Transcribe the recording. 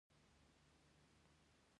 يو مذهب ، دويم کلتور او دريم سائنس -